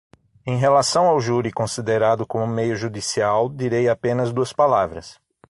Em relação ao júri considerado como meio judicial, direi apenas duas palavras.